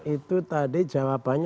itu tadi jawabannya